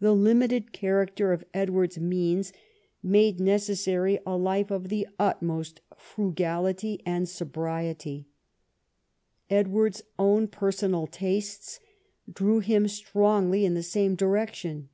The limited character of Edward's means made necessary a life of the utmost frugality and sobriety. Edward's own personal tastes drew him strongly in the same direction.